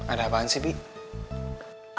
ada apaan sih bib